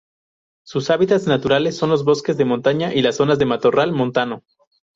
Sus hábitats naturales son los bosques de montaña y las zonas de matorral montano.